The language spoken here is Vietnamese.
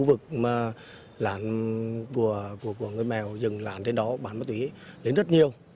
đã từng là lên khu vực mà làn của người mèo dừng làn trên đó bán ma túy lên rất nhiều